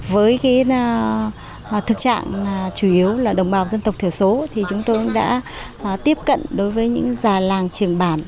với thực trạng chủ yếu là đồng bào dân tộc thiểu số thì chúng tôi cũng đã tiếp cận đối với những già làng trường bản